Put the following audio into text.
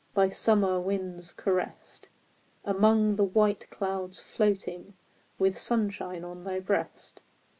By summer winds caressed, Among the white clouds floating With sunshine on thy breast.